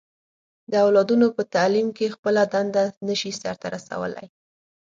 د اولادونو په تعليم کې خپله دنده نه شي سرته رسولی.